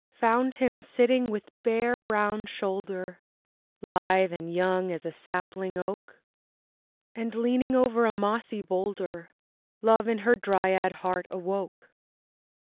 Found him sitting with bare brown shoulder, Lithe and young as a sapling oak, And leaning over a mossy boulder, Love in her dryad heart awoke.